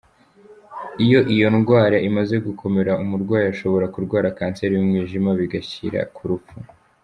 Iyo iyi ndwra imaze gukomera umurwayi ashobora kurwara kanseri y’umwijima, bigashyira ku rupfu.